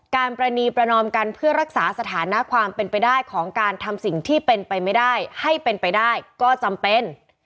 ประนีประนอมกันเพื่อรักษาสถานะความเป็นไปได้ของการทำสิ่งที่เป็นไปไม่ได้ให้เป็นไปได้ก็จำเป็น